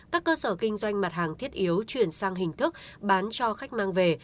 các cơ sở kinh doanh mặt hàng thiết yếu chuyển sang hình thức bán cho khách mang về